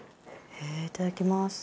へえいただきます。